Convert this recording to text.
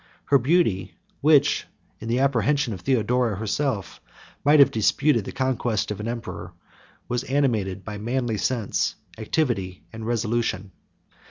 Her beauty, which, in the apprehension of Theodora herself, might have disputed the conquest of an emperor, was animated by manly sense, activity, and resolution.